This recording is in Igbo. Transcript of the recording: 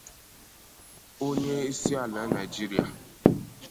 onyeisiala Nigeria